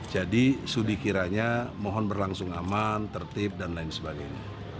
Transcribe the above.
jadi sudikiranya mohon berlangsung aman tertib dan lain sebagainya